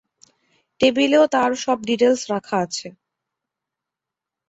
টেবিলেও তার সব ডিটেইলস রাখা আছে।